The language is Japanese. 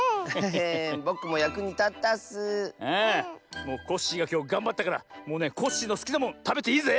ああもうコッシーがきょうがんばったからもうねコッシーのすきなもんたべていいぜ！